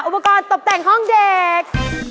อุปกรณ์ตกแต่งห้องเด็ก